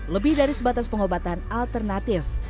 lebih dari sebatas pengobatan alternatif